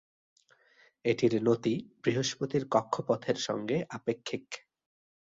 এটির নতি বৃহস্পতির কক্ষপথের সঙ্গে আপেক্ষিক।